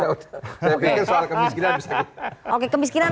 saya pikir soal kemiskinan bisa gitu oke kemiskinan